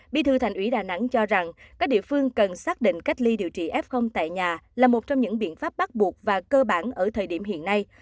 bí thư thành ủy đà nẵng cho rằng các địa phương cần xác định cách ly điều trị f tại nhà là một trong những biện pháp bắt buộc và cơ bản ở thời điểm hiện nay